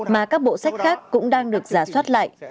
mà các bộ sách khác cũng đang được giả soát lại